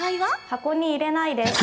箱に入れないです。